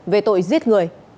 về tội giết người